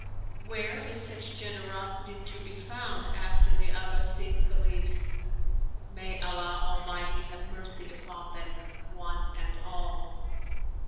Where is such generosity to be found after the Abbaside Caliphs?—May Allah Almighty have mercy upon them, one and all!